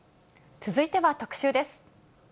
続いては特集です。